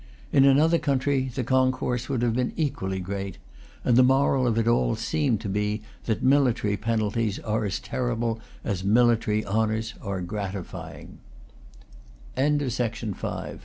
In another country the concourse would have been equally great, and the moral of it all seemed to be that military penalties are as terrible as military honors are gratif